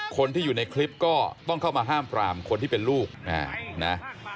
คนที่อยู่ในคลิปก็ต้องเข้ามาห้ามปรามคนที่เป็นลูกนะ